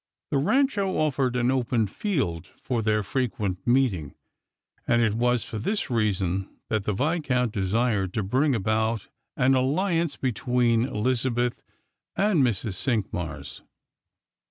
The Rancho ofiered an open field for their frequent meeting, and it was for this reason that the Viscount de sired to bring about an alhance between Elizabeth and Mrs. Cinqmars.